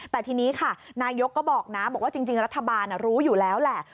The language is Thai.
แต่ทีนี้ค่ะนายกก็บอกนะบอกว่าจริงรัฐบาลรู้อยู่แล้วแหละ